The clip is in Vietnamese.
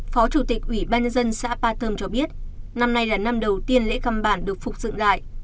phó chủ tịch ủy ban nhân dân xã ba thơm cho biết năm nay là năm đầu tiên lễ cầm bản được phục dựng lại